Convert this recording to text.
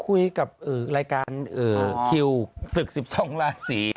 อ๋อคุยกับรายการคิวศึกสิบสองราศี